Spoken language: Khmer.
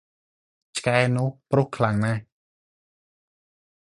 ឆ្កែនោះព្រុសខ្លាំងណាស់!